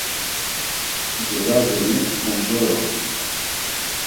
Celazeni, Omcore ort̆u.